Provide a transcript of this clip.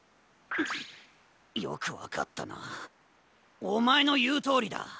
ウッよくわかったなおまえのいうとおりだ。